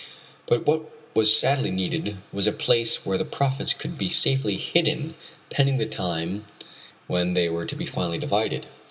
But what was sadly needed was a place where the profits could be safely hidden pending the time when they were to be finally divided.